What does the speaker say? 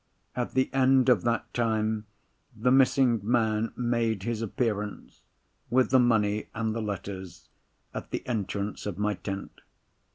At the end of that time the missing man made his appearance, with the money and the letters, at the entrance of my tent.